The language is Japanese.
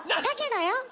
だけどよ？